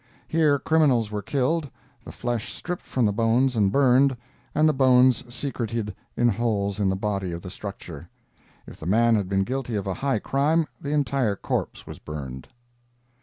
Here criminals were killed, the flesh stripped from the bones and burned, and the bones secreted in holes in the body of the structure. If the man had been guilty of a high crime, the entire corpse was burned.